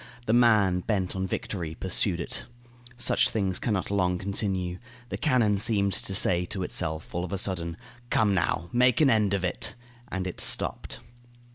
The man, bent on victory, pursued it. Such things can not long continue. The cannon seemed to say to itself, all of a sudden, "Come, now! Make an end of it!" and it stopped.